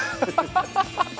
ハハハハ！